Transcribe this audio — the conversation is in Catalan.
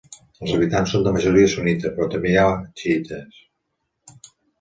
Els habitants són de majoria sunnita però hi ha també xiïtes.